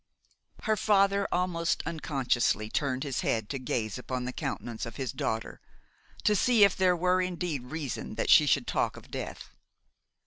Her father almost unconsciously turned his head to gaze upon the countenance of his daughter, to see if there were indeed reason that she should talk of death.